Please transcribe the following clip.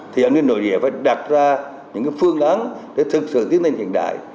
thì an ninh nội địa phải đặt ra những phương án để thực sự tiến lên hiện đại